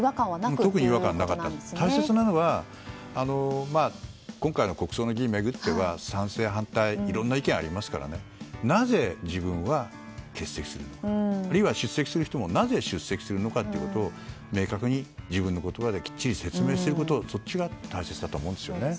大切なのは今回の国葬を巡っては賛成、反対いろんな意見がありますからなぜ、自分は欠席するのかあるいは出席する人もなぜ出席するのかを明確に自分の言葉できっちり説明することが大切だと思うんですね。